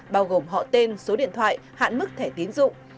bao gồm họ tên số điện thoại hạn mức thẻ tiến dụng